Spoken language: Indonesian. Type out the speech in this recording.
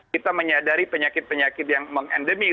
kita menyadari penyakit penyakit yang mengendemik